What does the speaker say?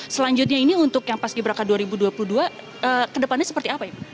selanjutnya ini untuk yang paski braka dua ribu dua puluh dua kedepannya seperti apa ibu